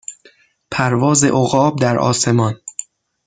پرواز عقاب در آسمان